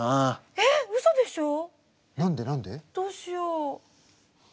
どうしよう。